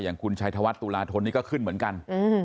อย่างคุณชัยธวัฒนตุลาธนนี่ก็ขึ้นเหมือนกัน